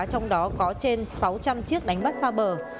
trong đó có trên sáu trăm linh chiếc đánh bắt xa bờ